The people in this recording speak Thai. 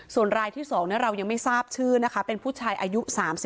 ส่วนรายที่๒เรายังไม่ทราบชื่อนะคะเป็นผู้ชายอายุ๓๒